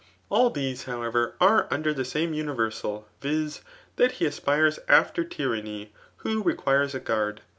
All these, however, are under the same universal, vix. that he aqares after a tyimny who requires a guard.